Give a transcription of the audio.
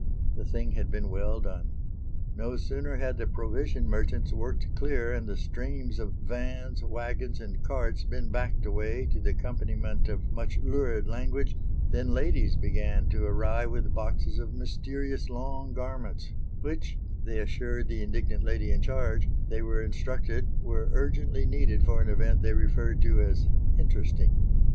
The thing had been well done. No sooner had the provision merchants worked clear and the streams of vans, waggons and carts been backed away to the accompaniment of much lurid language, than ladies began to arrive with boxes of mysterious long garments which, they assured the indignant lady in charge, they were instructed were urgently needed for an event they referred to as "interesting."